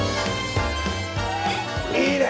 いいね！